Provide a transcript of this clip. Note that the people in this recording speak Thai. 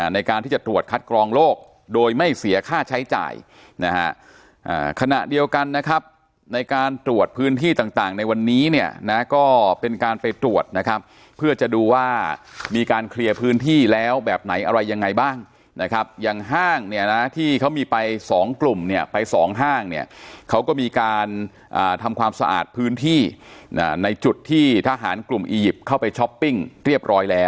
ในการที่จะตรวจคัดกรองโลกโดยไม่เสียค่าใช้จ่ายนะฮะขณะเดียวกันนะครับในการตรวจพื้นที่ต่างในวันนี้เนี่ยนะก็เป็นการไปตรวจนะครับเพื่อจะดูว่ามีการเคลียร์พื้นที่แล้วแบบไหนอะไรยังไงบ้างนะครับอย่างห้างเนี่ยนะที่เขามีไปสองกลุ่มเนี่ยไปสองห้างเนี่ยเขาก็มีการทำความสะอาดพื้นที่ในจุดที่ทหารกลุ่มอียิปต์เข้าไปช้อปปิ้งเรียบร้อยแล้ว